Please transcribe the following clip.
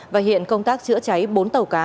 và hiện công tác chữa cháy bốn tàu cá